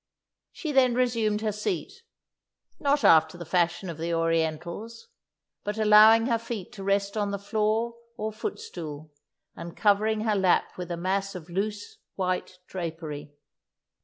She then resumed her seat not after the fashion of the Orientals but allowing her feet to rest on the floor or footstool, and covering her lap with a mass of loose white drapery.